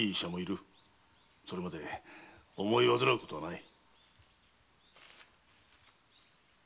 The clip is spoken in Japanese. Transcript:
それまで思い煩うことはない。